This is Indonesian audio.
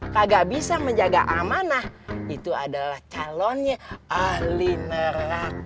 kagak bisa menjaga amanah itu adalah calonnya ahli nerak